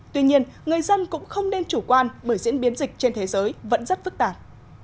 tuy nhiên người dân cũng không nên chủ quan bởi diễn biến dịch trên thế giới vẫn rất phức tạp